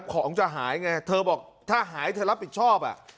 ของจะหายไงเธอบอกถ้าหายเธอรับผิดชอบ